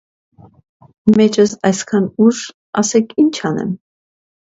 Մեջս այսքան ուժ, ասեք, ի՞նչ անեմ,-